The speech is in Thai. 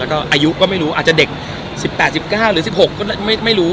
แล้วก็อายุก็ไม่รู้อาจจะเด็ก๑๘๑๙หรือ๑๖ก็ไม่รู้